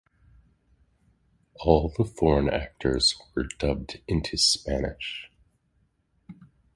All the foreign actors were dubbed into Spanish.